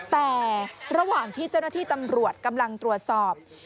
แต่ระหว่างที่เจ้าหน้าที่ตำรวจกำลังตรวจสอบ